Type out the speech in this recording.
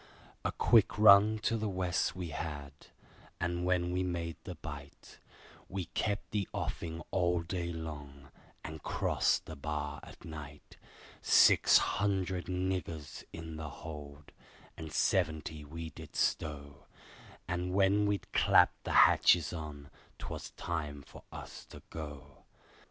A quick run to the West we had, and when we made the Bight, We kept the offing all day long, and crossed the bar at night. Six hundred niggers in the hold, and seventy we did stow, And when we'd clapped the hatches on, 'twas time for us to go.